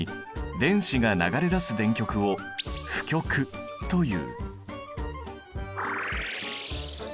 電子が流れ込む電極は正極という。